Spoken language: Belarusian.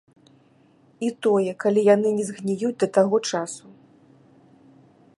І тое, калі яны не згніюць да таго часу.